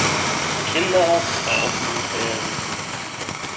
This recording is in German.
Kinder brauchen Helden.